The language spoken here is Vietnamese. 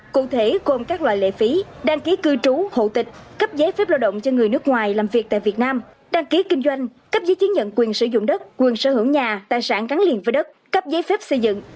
cụ thể gồm các loại lệ phí đăng ký cư trú hộ tịch cấp giấy phép lao động cho người nước ngoài làm việc tại việt nam đăng ký kinh doanh cấp giấy chứng nhận quyền sử dụng đất quyền sở hữu nhà tài sản gắn liền với đất cấp giấy phép xây dựng